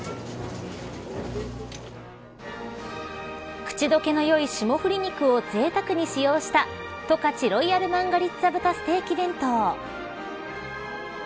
口どけのよい霜降り肉をぜいたくに使用した十勝ロイヤルマンガリッツァ豚ステーキ弁当。